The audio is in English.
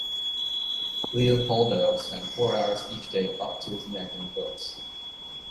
Leopoldo spent four hours each day 'up to his neck in books'.